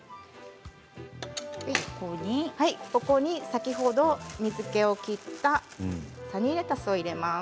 先ほど水けを切ったサニーレタスを入れます。